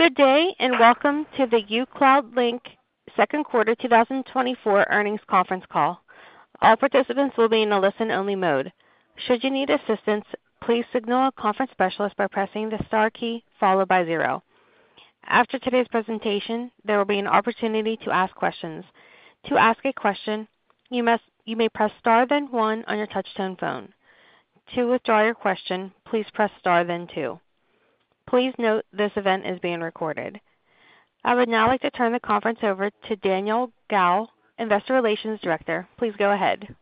Good day, and welcome to the uCloudlink 2nd quarter 2024 earnings conference call. All participants will be in a listen-only mode. Should you need assistance, please signal a conference specialist by pressing the star key followed by zero. After today's presentation, there will be an opportunity to ask questions. To ask a question, you may press Star, then one on your touch-tone phone. To withdraw your question, please press Star, then two. Please note this event is being recorded. I would now like to turn the conference over to Daniel Gao, Investor Relations Director. Please go ahead.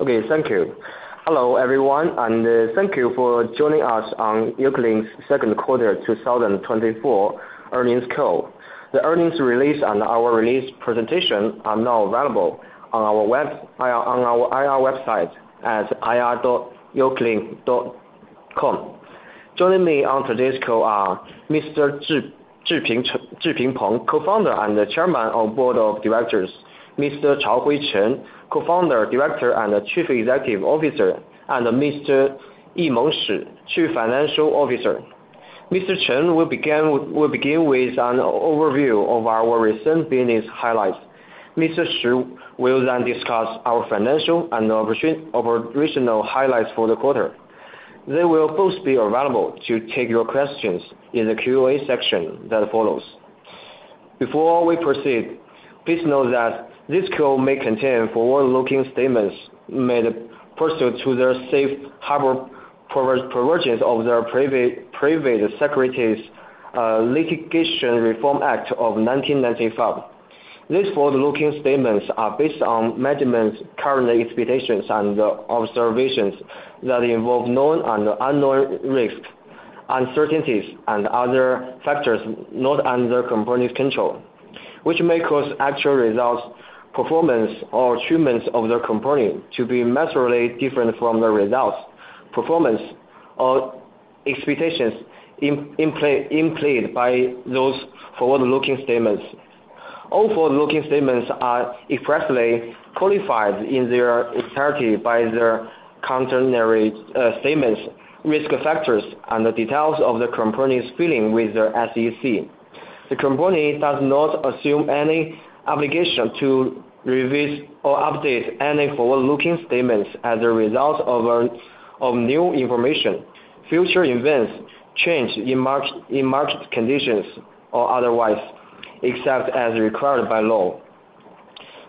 Okay, thank you. Hello, everyone, and thank you for joining us on uCloudlink's 2nd quarter 2024 earnings call. The earnings release and our release presentation are now available on our web on our IR website at ir.ucloudlink.com. Joining me on today's call are Mr. Zhiping Peng, Co-founder and Chairman of the Board of Directors, Mr. Chaohui Chen, Co-founder, Director, and Chief Executive Officer, and Mr. Yimeng Shi, Chief Financial Officer. Mr. Chen will begin with an overview of our recent business highlights. Mr. Shi will then discuss our financial and operational highlights for the quarter. They will both be available to take your questions in the Q&A section that follows. Before we proceed, please note that this call may contain forward-looking statements made pursuant to the safe harbor provisions of the Private Securities Litigation Reform Act of 1995. These forward-looking statements are based on management's current expectations and observations that involve known and unknown risks, uncertainties, and other factors not under company's control, which may cause actual results, performance, or achievements of the company to be materially different from the results, performance, or expectations implied by those forward-looking statements. All forward-looking statements are expressly qualified in their entirety by the contemporary statements, risk factors, and the details of the company's filing with the SEC. The company does not assume any obligation to revise or update any forward-looking statements as a result of new information, future events, change in market, in market conditions, or otherwise, except as required by law.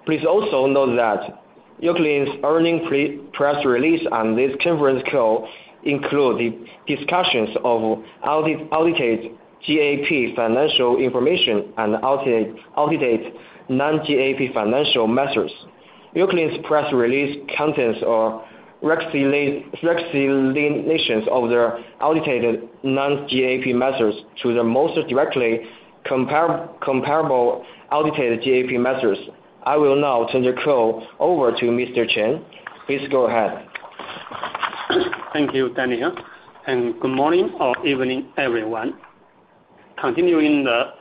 Please also note that uCloudlink's earnings press release on this conference call include the discussions of audited GAAP financial information and audited non-GAAP financial measures. uCloudlink's press release contains reconciliations of their audited non-GAAP measures to the most directly comparable audited GAAP measures. I will now turn the call over to Mr. Chen. Please go ahead. Thank you, Daniel, and good morning or evening, everyone. Continuing the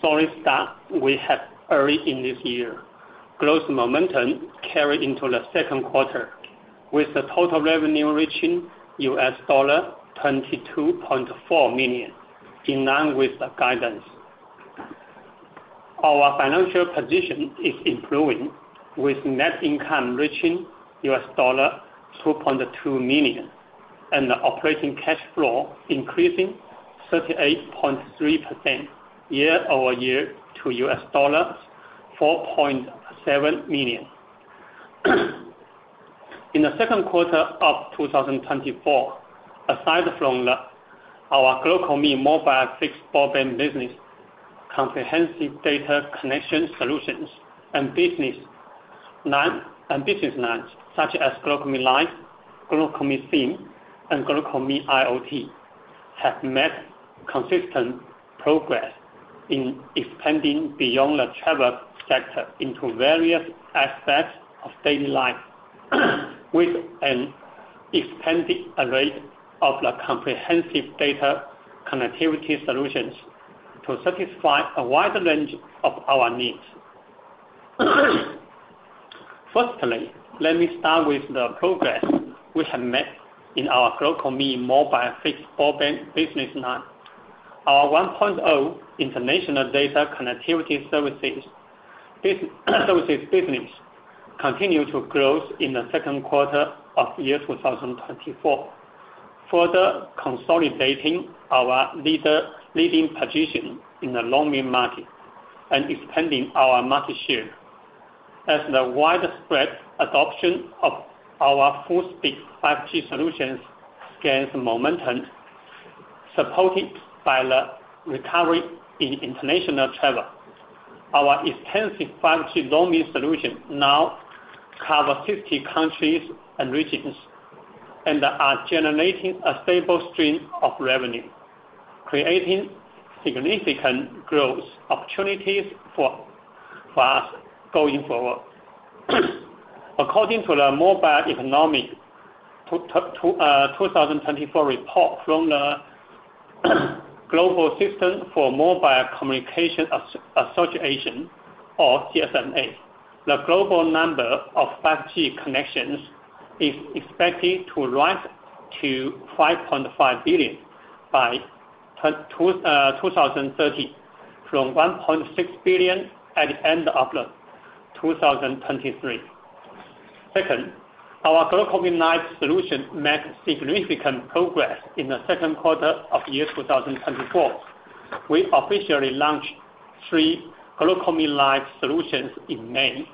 solid start we had early in this year, growth momentum carried into the 2nd quarter, with the total revenue reaching $22.4 million, in line with the guidance. Our financial position is improving, with net income reaching $2.2 million, and the operating cash flow increasing 38.3% year-over-year to $4.7 million. In the 2nd quarter of 2024, aside from our GlocalMe mobile fixed broadband business, comprehensive data connection solutions and business lines such as GlocalMe Life, GlocalMe SIM, and GlocalMe IoT, have made consistent progress in expanding beyond the travel sector into various aspects of daily life. With an expanded array of the comprehensive data connectivity solutions to satisfy a wider range of our needs. Firstly, let me start with the progress we have made in our GlocalMe mobile fixed broadband business line. Our 1.0 international data connectivity services, this services business continued to grow in the 2nd quarter of 2024, further consolidating our leading position in the roaming market and expanding our market share. As the widespread adoption of our full speed 5G solutions gains momentum, supported by the recovery in international travel, our extensive 5G roaming solution now cover 50 countries and regions, and are generating a stable stream of revenue, creating significant growth opportunities for us going forward. According to the Mobile Economy 2024 report from the Global System for Mobile Communications Association or GSMA, the global number of 5G connections-... is expected to rise to 5.5 billion by 2030, from 1.6 billion at the end of 2023. Second, our GlocalMe Life solution made significant progress in the 2nd quarter of 2024. We officially launched three GlocalMe Life solutions in May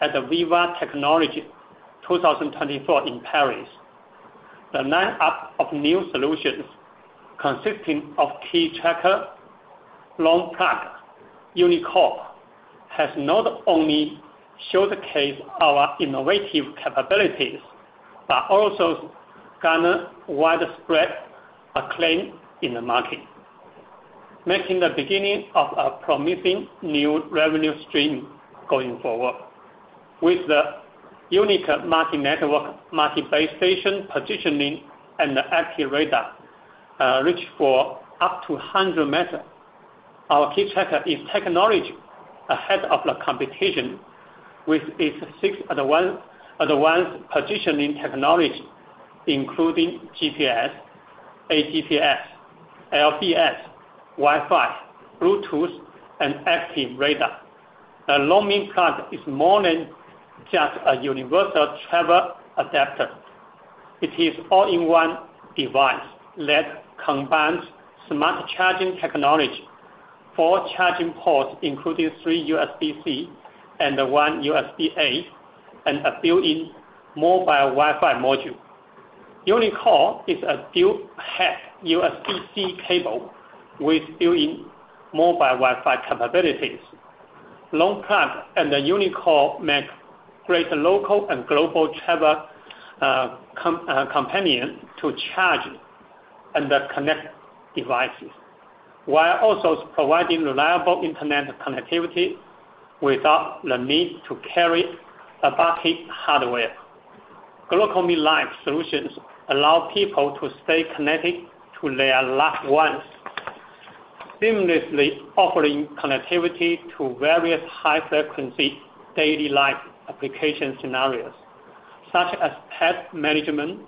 at Viva Technology 2024 in Paris. The line-up of new solutions consisting of KeyTracker, RoamPlug, UniCord, has not only showcased our innovative capabilities, but also garnered widespread acclaim in the market, making the beginning of a promising new revenue stream going forward. With the unique multi-network, multi-base station positioning and the active radar reach for up to 100-meter, our KeyTracker is technology ahead of the competition, with its 6 in 1, advanced positioning technology, including GPS, AGPS, LBS, Wi-Fi, Bluetooth, and active radar. The RoamPlug is more than just a universal travel adapter. It is all-in-one device that combines smart charging technology, four charging ports, including three USB-C and one USB-A, and a built-in mobile Wi-Fi module. UniCord is a built half USB-C cable with built-in mobile Wi-Fi capabilities. RoamPlug and the UniCord make great local and global travel companion to charge and connect devices, while also providing reliable internet connectivity without the need to carry a bulky hardware. GlocalMe Life solutions allow people to stay connected to their loved ones, seamlessly offering connectivity to various high-frequency daily life application scenarios, such as pet management,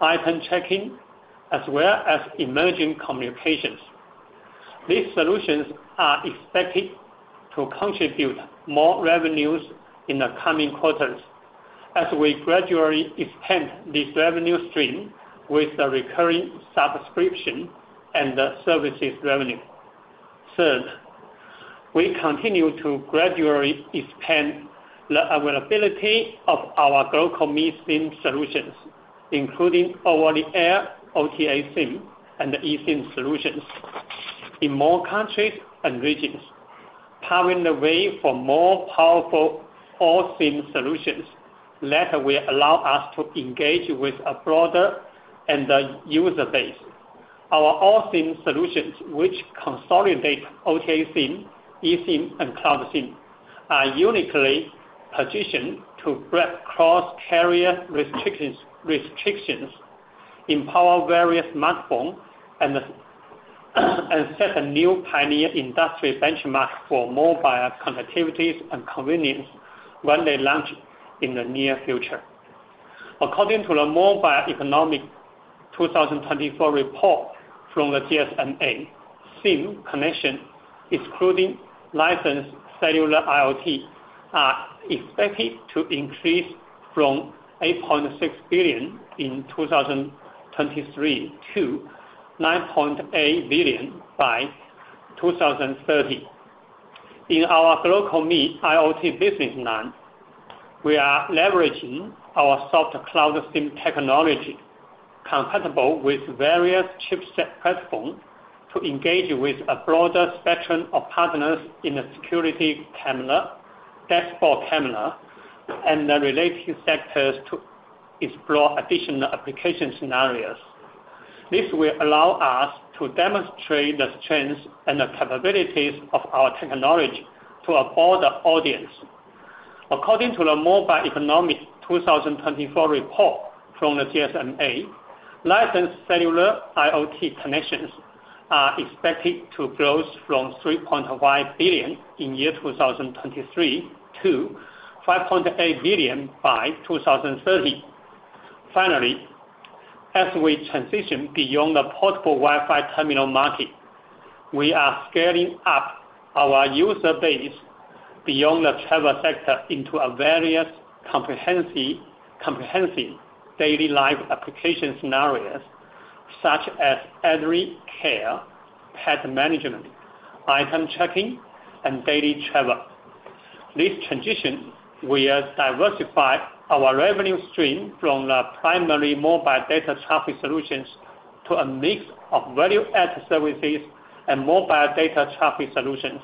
item checking, as well as emerging communications. These solutions are expected to contribute more revenues in the coming quarters as we gradually expand this revenue stream with the recurring subscription and the services revenue. Third, we continue to gradually expand the availability of our GlocalMe SIM solutions, including over-the-air OTA SIM, and the eSIM solutions in more countries and regions, powering the way for more powerful all SIM solutions that will allow us to engage with a broader and user base. Our all-SIM solutions, which consolidate OTA SIM, eSIM, and CloudSIM, are uniquely positioned to break cross-carrier restrictions, empower various smartphone, and set a new pioneer industry benchmark for mobile connectivities and convenience when they launch in the near future. According to the Mobile Economy 2024 report from the GSMA, SIM connection, excluding licensed cellular IoT, are expected to increase from 8.6 billion in 2023 to 9.8 billion by 2030. In our GlocalMe IoT business line, we are leveraging our Soft CloudSIM technology, compatible with various chipset platform, to engage with a broader spectrum of partners in the security camera, dashboard camera, and the related sectors to explore additional application scenarios. This will allow us to demonstrate the strengths and the capabilities of our technology to a broader audience. According to the Mobile Economy 2024 report from the GSMA, licensed cellular IoT connections are expected to grow from 3.5 billion in year 2023 to 5.8 billion by 2030. Finally, as we transition beyond the portable Wi-Fi terminal market, we are scaling up our user base beyond the travel sector into various comprehensive daily life application scenarios, such as elderly care, pet management, item checking, and daily travel. This transition will diversify our revenue stream from the primarily mobile data traffic solutions to a mix of value-added services and mobile data traffic solutions.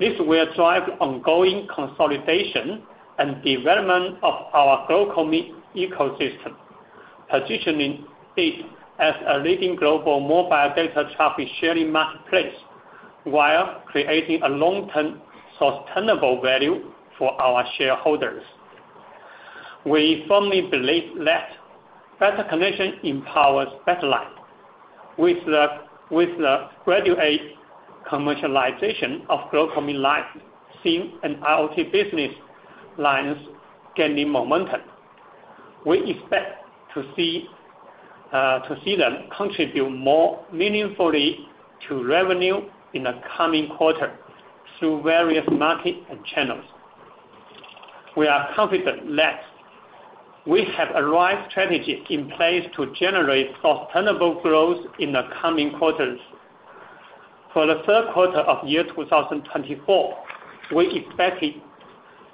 This will drive ongoing consolidation and development of our GlocalMe ecosystem, positioning it as a leading global mobile data traffic sharing marketplace, while creating a long-term sustainable value for our shareholders. We firmly believe that better connection empowers better life. With the gradual commercialization of GlocalMe Life SIM and IoT business lines gaining momentum. We expect to see, to see them contribute more meaningfully to revenue in the coming quarter through various markets and channels. We are confident that we have the right strategy in place to generate sustainable growth in the coming quarters. For the 3rd quarter of 2024, we expected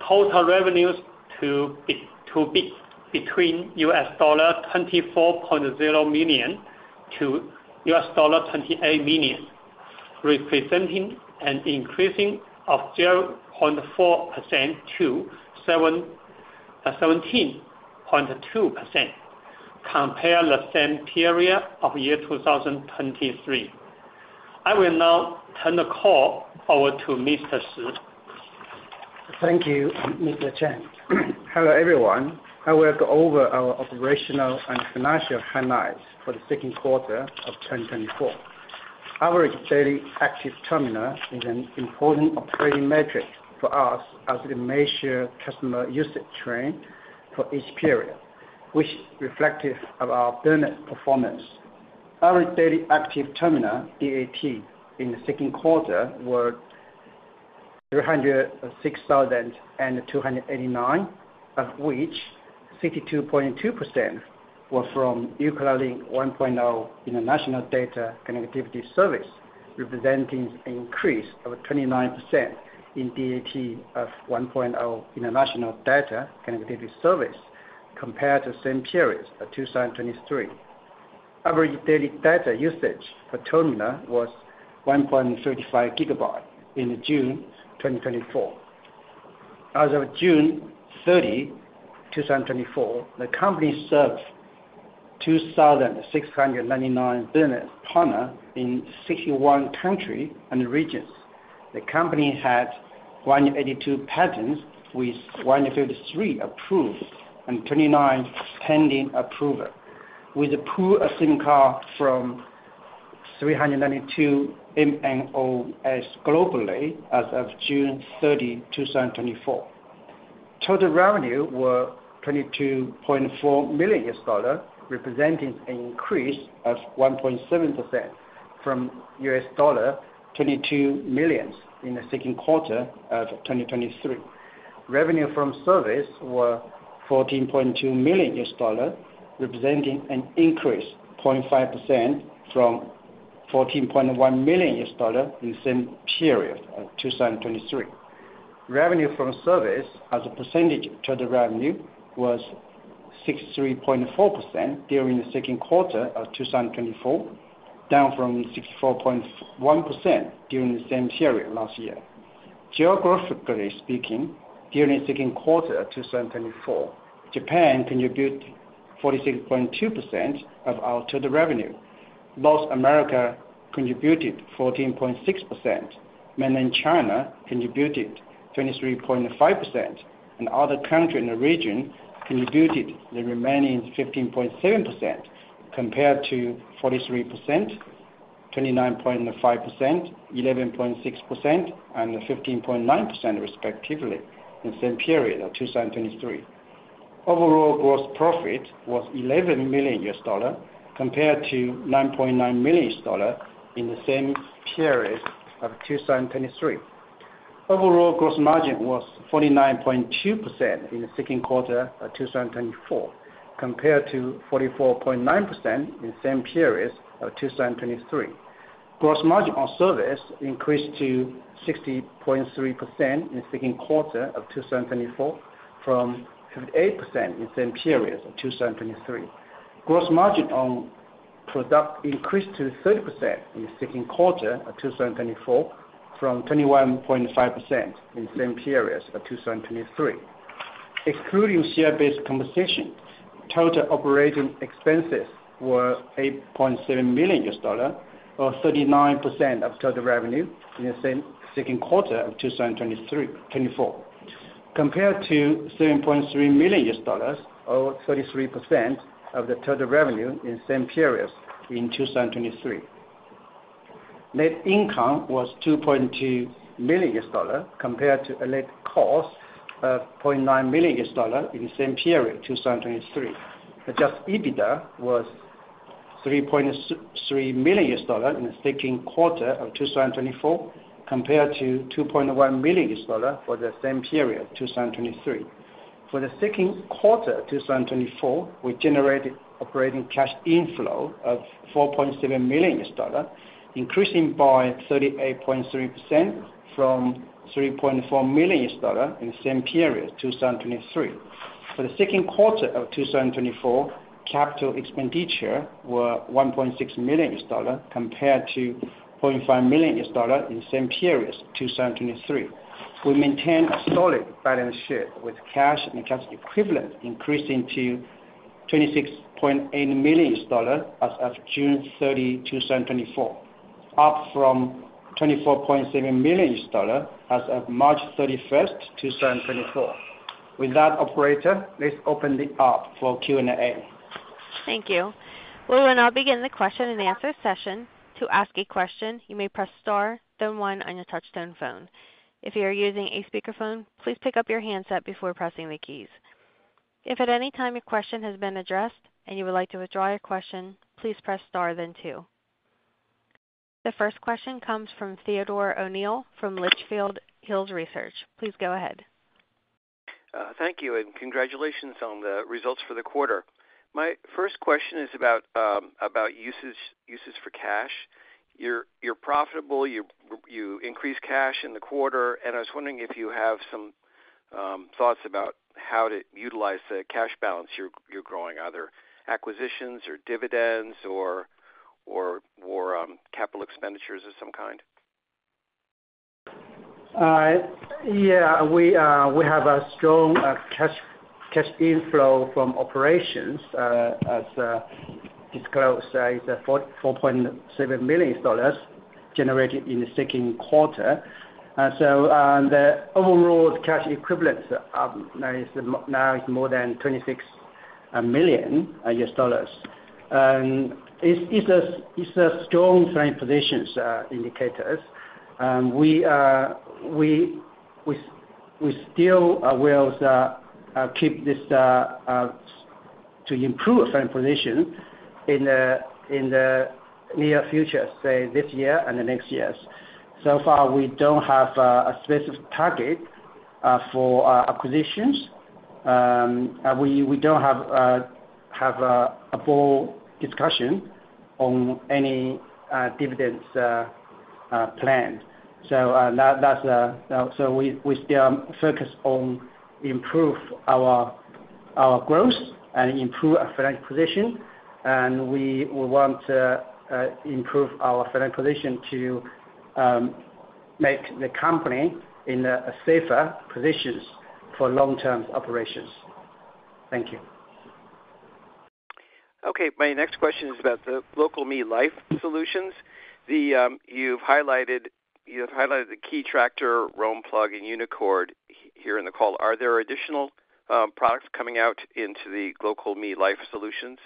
total revenues to be, to be between $24.0 million to $28 million, representing an increase of 0.4% to 17.2%, compared to the same period of 2023. I will now turn the call over to Mr. Shi. Thank you, Mr. Chen. Hello, everyone. I will go over our operational and financial highlights for the 2nd of 2024. Our daily active terminal is an important operating metric for us as it measures customer usage trend for each period, which reflective of our business performance. Our daily active terminal, DAT, in the 2nd quarter were 306,289, of which 52.2% were from uCloudlink 1.0 International Data Connectivity Service, representing an increase of 29% in DAT of 1.0 International Data Connectivity Service compared to same period of 2023. Average daily data usage per terminal was 1.35 GB in June 2024. As of June 30, 2024, the company serves 2,699 business partners in 61 countries and regions. The company had 182 patents, with 153 approved and 29 pending approvals, with a pool of SIM card from 392 MNOs globally as of June 30, 2024. Total revenue was $22.4 million, representing an increase of 1.7% from $22 million in the 2nd quarter of 2023. Revenue from service were $14.2 million, representing an increase of 0.5% from $14.1 million in the same period of 2023. Revenue from service, as a percentage of total revenue, was 63.4% during the 2nd quarter of 2024, down from 64.1% during the same period last year. Geographically speaking, during the 2nd quarter of 2024, Japan contributed 46.2% of our total revenue. North America contributed 14.6%. Mainland China contributed 23.5%, and other country in the region contributed the remaining 15.7% compared to 43%, 29.5%, 11.6% and 15.9% respectively, in the same period of 2023. Overall gross profit was $11 million, compared to $9.9 million in the same period of 2023. Overall, gross margin was 49.2% in the 2nd quarter of 2024, compared to 44.9% in the same period of 2023. Gross margin on service increased to 60.3% in the 2nd quarter of 2024, from 58% in the same period of 2023. Gross margin on product increased to 30% in the 2nd quarter of 2024, from 21.5% in the same period of 2023. Excluding share-based compensation, total operating expenses were $8.7 million, or 39% of total revenue in the same 2nd quarter of 2024, compared to $7.3 million, or 33% of the total revenue in the same period in 2023. Net income was $2.2 million, compared to a net loss of $0.9 million in the same period, 2023. Adjusted EBITDA was $3.3 million in the 2nd quarter of 2024, compared to $2.1 million for the same period, 2023. For the 2nd quarter of 2024, we generated operating cash inflow of $4.7 million, increasing by 38.3% from $3.4 million in the same period, 2023. For the 2nd quarter of 2024, capital expenditure were $1.6 million, compared to $0.5 million in the same period, 2023. We maintain a solid balance sheet, with cash and cash equivalent increasing to $26.8 million as of June 30, 2024, up from $24.7 million as of March 31, 2024. With that, operator, let's open it up for Q&A. Thank you. We will now begin the question-and-answer session. To ask a question, you may press star then one on your touch-tone phone. If you are using a speakerphone, please pick up your handset before pressing the keys. If at any time your question has been addressed and you would like to withdraw your question, please press star then two. The first question comes from Theodore O'Neill from Litchfield Hills Research. Please go ahead. Thank you, and congratulations on the results for the quarter. My first question is about usage for cash. You're profitable, you increased cash in the quarter, and I was wondering if you have some thoughts about how to utilize the cash balance you're growing. Are there acquisitions or dividends or capital expenditures of some kind? Yeah, we have a strong cash inflow from operations, as disclosed, it's $4.7 million generated in the 2nd quarter. So, the overall cash equivalents now are more than $26 million. And it's a strong financial positions indicator. We still will keep this to improve our position in the near future, say, this year and the next years. So far, we don't have a specific target for acquisitions. We don't have a full discussion on any dividends planned. So, that, that's... So we still focus on improve our growth and improve our financial position, and we want to improve our financial position to make the company in a safer positions for long-term operations. Thank you. Okay. My next question is about the GlocalMe Life Solutions. You've highlighted, you have highlighted the KeyTracker, RoamPlug, and UniCord here in the call. Are there additional products coming out into the GlocalMe Life Solutions?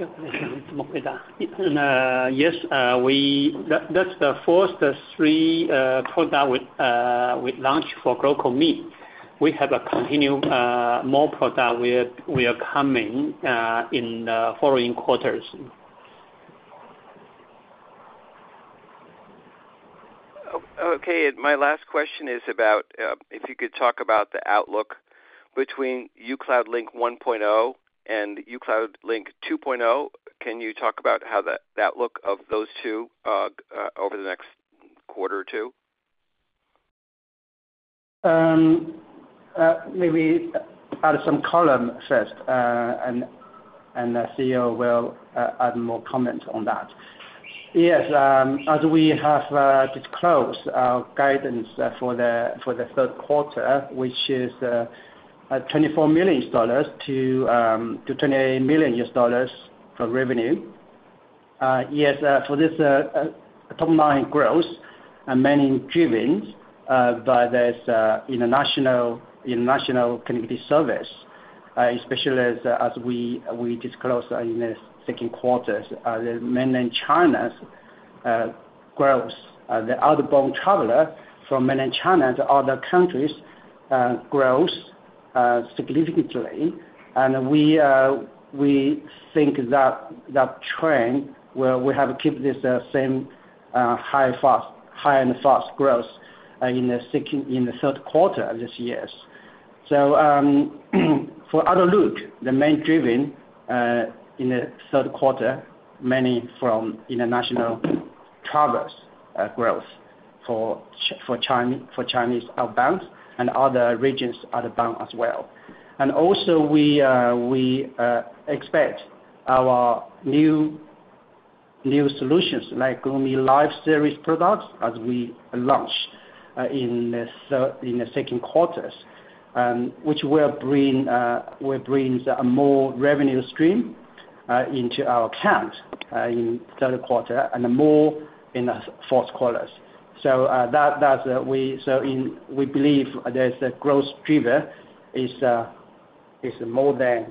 Yes, that's the first three products we launched for GlocalMe. We have continued more products coming in the following quarters. Okay, my last question is about if you could talk about the outlook between uCloudlink 1.0 and uCloudlink 2.0. Can you talk about how the outlook of those two over the next quarter or two? Maybe add some column first, and the CEO will add more comment on that. Yes, as we have disclosed our guidance for the 3rd quarter, which is $24 million-$28 million for revenue. Yes, for this top line growth are mainly driven by this international community service, especially as we disclose in the 2nd quarter's the Mainland China's growth. The outbound traveler from Mainland China to other countries grows significantly, and we think that that trend, where we have kept this same high fast high and fast growth in the second - in the 3rd quarter of this year. So, for outlook, the main driver in the 3rd quarter, mainly from international travelers, growth for Chinese outbound and other regions outbound as well. And also, we expect our new solutions, like GlocalMe Life series products, as we launch in the 2nd quarter, which will bring will brings a more revenue stream into our account in 3rd quarter and more in the 4th quarter. So, that's, so we believe there's a growth driver is more than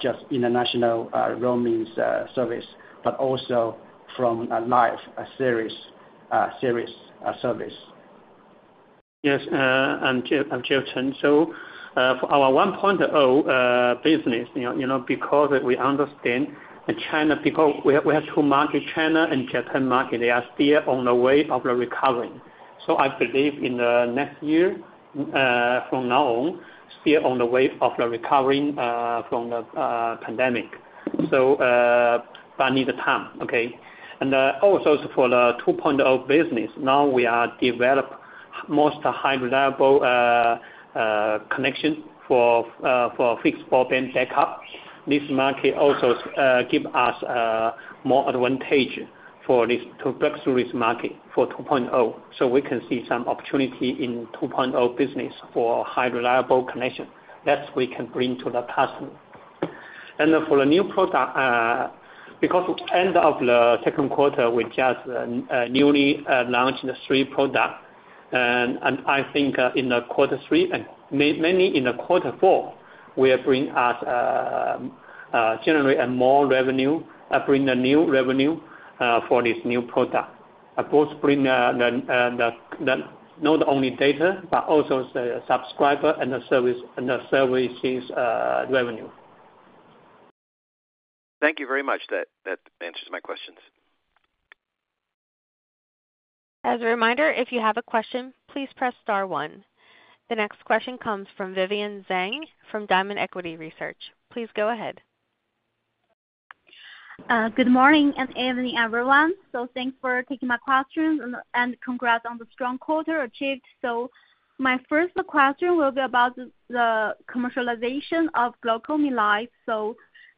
just international roaming service, but also from a GlocalMe Life series service. Yes, I'm Chaohui Chen. So, for our 1.0 business, you know, you know, because we understand that China, because we have, we have two market, China and Japan market, they are still on the way of the recovery. So, I believe in the next year, from now on, still on the way of the recovery, from the pandemic. So, but need the time, okay? And, also for the 2.0 business, now we are developing most high reliable connection for for fixed broadband backup. This market also, give us, more advantage for this to breakthrough this market for 2.0, so we can see some opportunity in 2.0 business for high reliable connection. That we can bring to the customer.... Then for the new product, because end of the 2nd quarter, we just newly launched the three products. I think in the quarter 3 and mainly in the quarter 4 will bring us generate a more revenue, bring a new revenue for this new product. Of course, bring the not only data, but also the subscriber and the service, and the services revenue. Thank you very much. That, that answers my questions. As a reminder, if you have a question, please press star one. The next question comes from Vivian Zhang, from Diamond Equity Research. Please go ahead. Good morning and evening, everyone. Thanks for taking my questions and congrats on the strong quarter achieved. My first question will be about the commercialization of GlocalMe Life.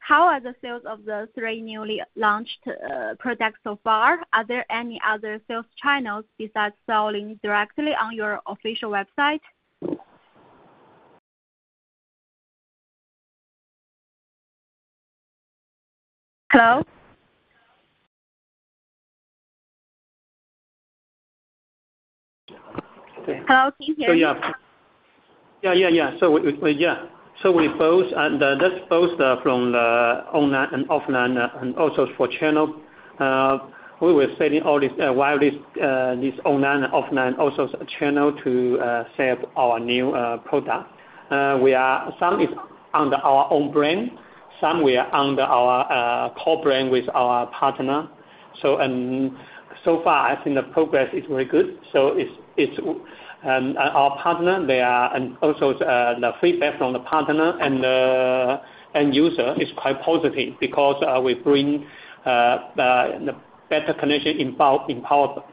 How are the sales of the three newly launched products so far? Are there any other sales channels besides selling directly on your official website? Hello? Hello, can you hear me? So, yeah. Yeah. So, we both, that's both from the online and offline, and also for channel. We were selling all this via this online and offline also channel to sell our new product. We are—some is under our own brand; some we are under our core brand with our partner. And so far, I think the progress is very good. So, it's our partner, they are... And also, the feedback from the partner and the end user is quite positive because we bring the better connection, empower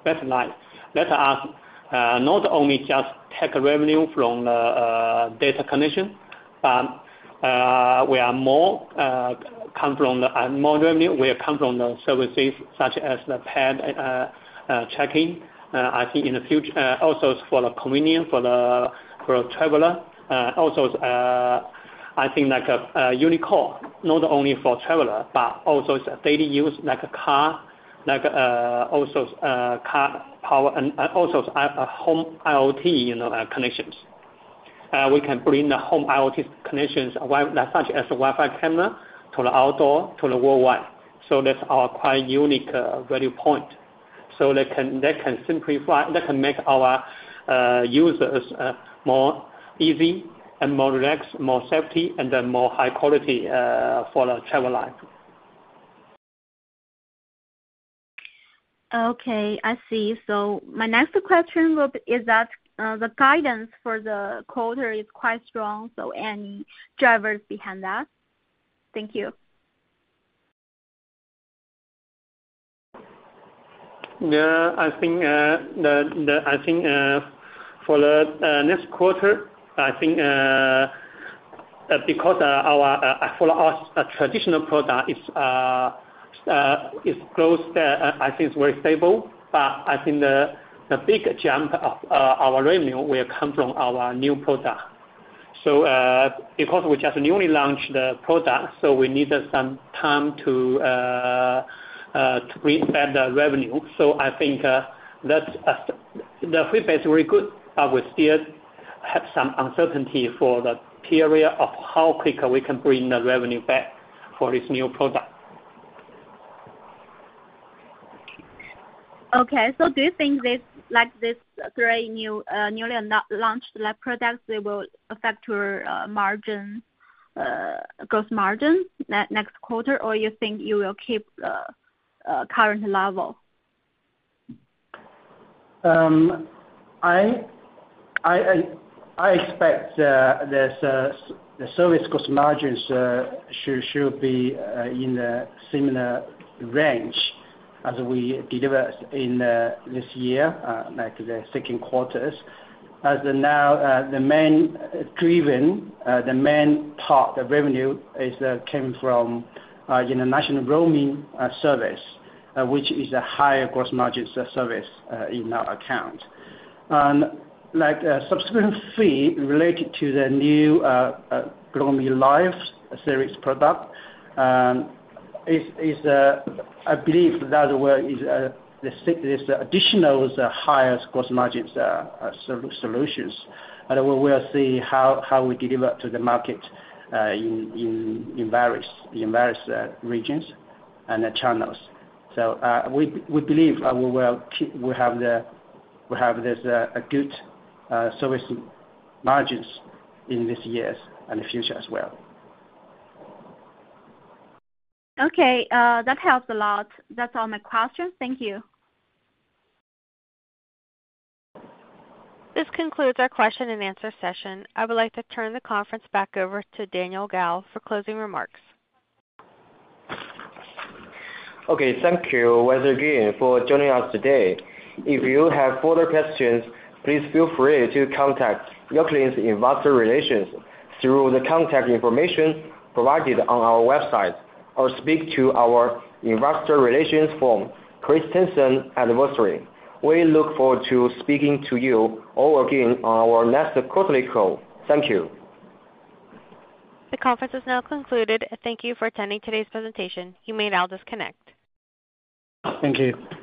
better life. Better, not only just tech revenue from the data connection, but we are more come from the more revenue. We are come from the services such as the paid, checking. I think also for the convenient, for the traveler, also, I think like a unique core, not only for traveler, but also it's a daily use, like a car, like, also, car power and, and also a home IoT, you know, connections. We can bring the home IoT connections, such as a Wi-Fi camera, to the outdoor, to the worldwide. So that's our quite unique, value point. So that can, that can simplify, that can make our, users, more easy and more relaxed, more safety, and a more high quality, for the travel life. Okay, I see. So my next question will, is that, the guidance for the quarter is quite strong, so any drivers behind that? Thank you. Yeah, I think for the next quarter, I think because our traditional product is close, I think it's very stable, but I think the big jump of our revenue will come from our new product. So, because we just newly launched the product, so we needed some time to bring back the revenue. So I think the feedback is very good, but we still have some uncertainty for the period of how quick we can bring the revenue back for this new product. Okay. So do you think this, like, this very new, newly launched life products, they will affect your margin, gross margin next quarter, or you think you will keep the current level? I expect this, the service gross margins should be in a similar range as we deliver in this year, like the second quarters. As of now, the main driven, the main part of revenue came from international roaming service, which is a higher gross margin of service in our account. And like, subsequent fee related to the new GlocalMe Life service product is, I believe that where is this additional is a highest gross margins solution. And we'll see how we deliver to the market in various regions and the channels. We believe we will keep this good service margins in this years and the future as well. Okay, that helps a lot. That's all my questions. Thank you. This concludes our question-and-answer session. I would like to turn the conference back over to Daniel Gao for closing remarks. Okay. Thank you once again for joining us today. If you have further questions, please feel free to contact uCloudlink's Investor Relations through the contact information provided on our website, or speak to our investor relations firm, Christensen Advisory. We look forward to speaking to you all again on our next quarterly call. Thank you. The conference is now concluded. Thank you for attending today's presentation. You may now disconnect. Thank you.